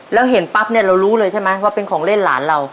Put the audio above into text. แล้วเห็นปั๊บเนี่ยเรารู้เลยใช่ไหมว่าเป็นของเล่นหลานเรา